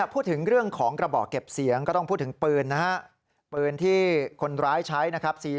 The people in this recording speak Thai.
พูดถึงเรื่องของกระบอกเก็บเสียงก็ต้องพูดถึงปืนนะฮะปืนที่คนร้ายใช้นะครับ